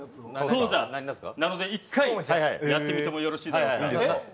なので１回やってみてもよろしいか？